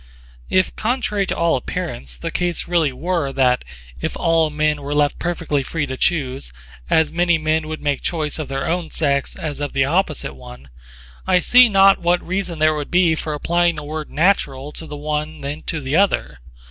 If contrary to all appearance the case really were that if all men were left perfectly free to choose, as many men would make choice of their own sex as of the opposite one, I see not what reason there would be for applying the word natural to the one rather than to the other.